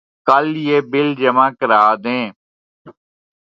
کل یہ بل جمع کرادیں